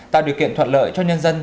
tạo điều kiện thuận lợi cho nhân dân